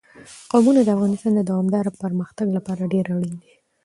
قومونه د افغانستان د دوامداره پرمختګ لپاره ډېر اړین دي.